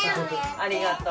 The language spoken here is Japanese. ありがとう。